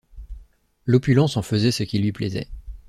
L’opulence en faisait ce qui lui plaisait.